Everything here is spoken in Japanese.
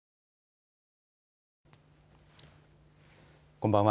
こんばんは。